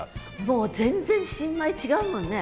もう全然新米違うもんね。